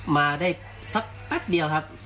มาได้สักแป๊บเดียวครับ